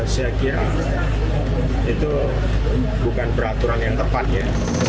siak siak itu bukan peraturan yang tepatnya